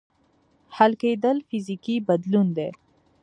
حل کېدل فزیکي بدلون دی.